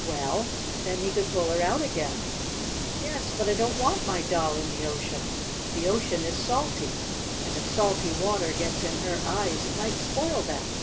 "Well, then he could pull her out again." "Yes, but I don't want my doll in the ocean. The ocean is salty, and if salty water gets in her eyes it might spoil them."